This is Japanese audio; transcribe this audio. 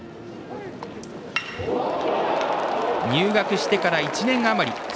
入学してから１年あまり。